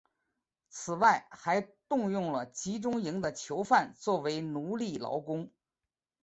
此外还动用了集中营的囚犯作为奴隶劳工。